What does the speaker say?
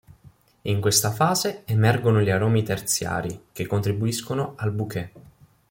In questa fase, emergono gli aromi terziari, che contribuiscono al bouquet.